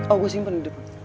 oh gue simpen di depan